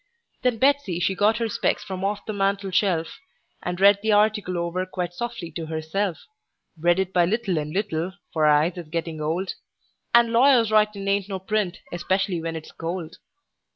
Then Betsey she got her specs from off the mantel shelf, And read the article over quite softly to herself; Read it by little and little, for her eyes is gettin' old, And lawyers' writin' ain't no print, especially when it's cold.